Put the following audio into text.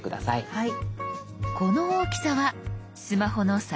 はい。